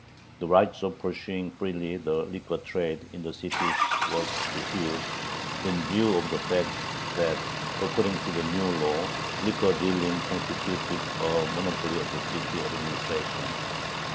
The right of pursuing freely the liquor trade in the cities was refused, in view of the fact that, according to the new law, liquor dealing constituted a monopoly of the city administration.